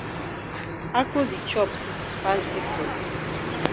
Ako di chop pass Victor.